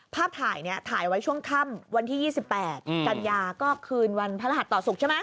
ภาพถ่ายเนี่ยถ่ายไว้ช่วงค่ำวันที่๒๘กันยาก็คืนวันพระรหัสต่อศุกร์ใช่ไหม